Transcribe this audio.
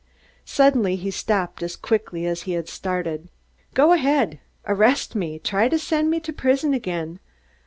Suddenly he stopped, as quickly as he had started. "Go ahead! Arrest me! Try to send me to prison again.